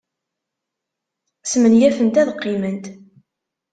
Smenyafent ad qqiment.